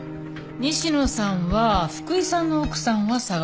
西野さんは福井さんの奥さんは捜さなかった。